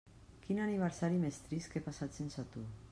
Quin aniversari més trist que he passat sense tu.